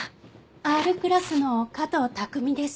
Ｒクラスの加藤匠です。